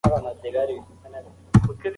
هغه په ډېر مېړانه د صفوي دولت بنسټونه ولړزول.